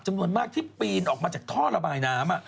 จำนวนมากที่ปีนออกมาจากท่อระบายน้ำ